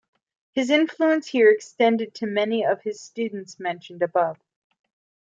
His influence here extended to many of his students mentioned above.